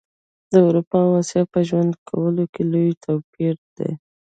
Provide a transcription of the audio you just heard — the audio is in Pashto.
د اروپا او اسیا په ژوند کولو کي لوي توپیر ده